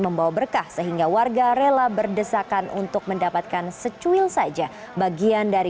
membawa berkah sehingga warga rela berdesakan untuk mendapatkan secuil saja bagian dari